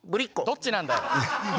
どっちなんだよ。